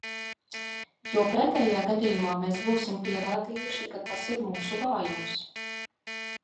Jo pretējā gadījumā mēs būsim pierādījuši, ka tas ir mūsu vājums.